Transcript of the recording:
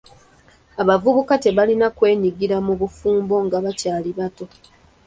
Abavubuka tebalina kwenyigira mu bufumbo nga bakyali bato.